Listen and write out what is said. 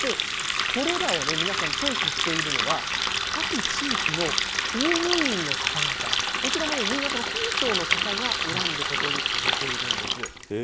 これらを皆さん、チョイスしているのは、各地域の公務員の方々、こちらも新潟の県庁の方が選んで、ここに置いているんです。